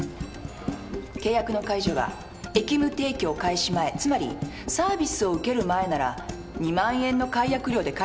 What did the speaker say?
契約の解除が役務提供開始前つまりサービスを受ける前なら２万円の解約料で解除できる。